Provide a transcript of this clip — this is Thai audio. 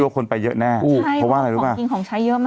เยอะคนไปเยอะแน่อู้เพราะว่าอะไรรู้ป่ะใช้เยอะมาก